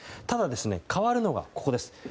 ただ変わるのがここです。